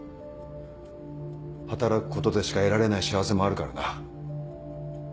働くことでしか得られない幸せもあるからな。